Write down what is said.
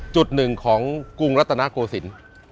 จุดหนึ่งของกรุงรัฐนาโกศิลป์